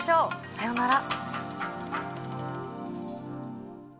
さよなら。